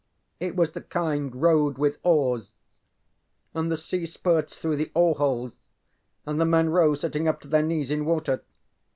ŌĆØ ŌĆ£It was the kind rowed with oars, and the sea spurts through the oar holes and the men row sitting up to their knees in water.